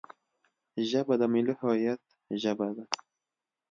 ژبه د ملي هویت ژبه ده